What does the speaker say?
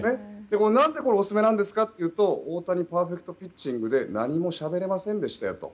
何でオススメなんですかと言うと大谷パーフェクトピッチングで何もしゃべれませんでしたよと。